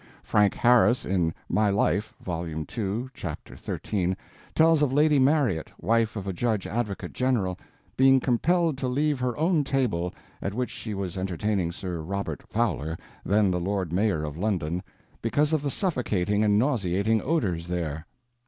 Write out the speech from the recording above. Frank Harris in My Life, Vol. 2, Ch. XIII, tells of Lady Marriott, wife of a judge Advocate General, being compelled to leave her own table, at which she was entertaining Sir Robert Fowler, then the Lord Mayor of London, because of the suffocating and nauseating odors there.